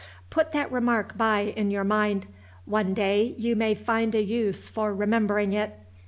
Put that remark by in your mind; one day you may find a use for remembering it.